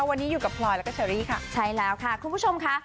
วันนี้อยู่กับพลอยแล้วก็เชอรี่ค่ะใช่แล้วค่ะคุณผู้ชมค่ะ